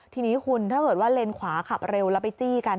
ทีนี้คุณถ้าเกิดว่าเลนขวาขับเร็วแล้วไปจี้กัน